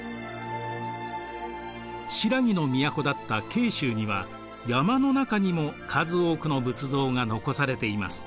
新羅の都だった慶州には山の中にも数多くの仏像が残されています。